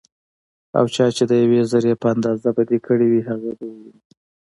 او چا چې ديوې ذرې په اندازه بدي کړي وي، هغه به وويني